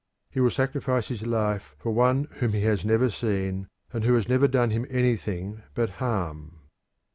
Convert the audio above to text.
He will sacrifice his life for one whom he has never seen, and who has never done him anything but harm.